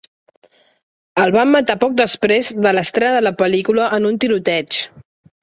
El van matar poc després de l'estrena de la pel·lícula en un tiroteig.